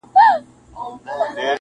• خو چي ښه نه وي درته غلیم سي -